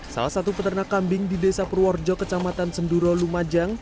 salah satu peternak kambing di desa purworejo kecamatan senduro lumajang